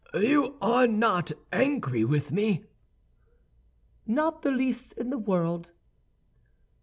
You are not angry with me?" "Not the least in the world."